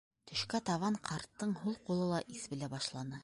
Төшкә табан ҡарттың һул ҡулы ла иҫ белә башланы.